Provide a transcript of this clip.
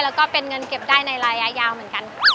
แล้วก็เป็นเงินเก็บได้ในระยะยาวเหมือนกัน